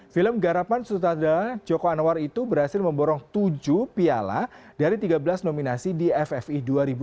film garapan sutada joko anwar itu berhasil memborong tujuh piala dari tiga belas nominasi di ffi dua ribu dua puluh